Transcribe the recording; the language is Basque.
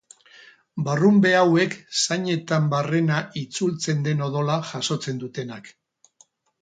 Barrunbe hauek zainetan barrena itzultzen den odola jasotzen dutenak.